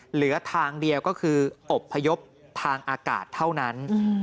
เหลือทางเดียวก็คืออบพยพทางอากาศเท่านั้น